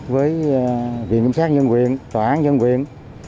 với viện kiểm sát nhân quyền tòa án nhân quyền